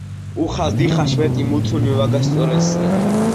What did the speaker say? უხას დიხაშ მეტი მუთუნი ვაგასწორენსია."